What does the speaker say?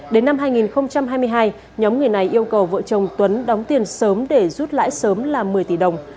đến năm hai nghìn hai mươi hai nhóm người này yêu cầu vợ chồng tuấn đóng tiền sớm để rút lãi sớm là một mươi tỷ đồng